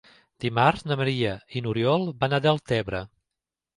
Dimarts na Maria i n'Oriol van a Deltebre.